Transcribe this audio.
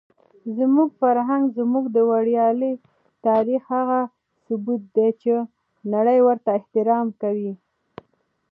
زموږ فرهنګ زموږ د ویاړلي تاریخ هغه ثبوت دی چې نړۍ ورته احترام کوي.